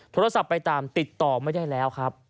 โทรศัพท์ไปตามติดต่อไม่ได้แล้วครับ